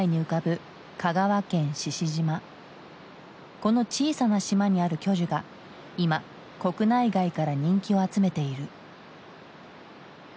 この小さな島にある巨樹が今国内外から人気を集めている。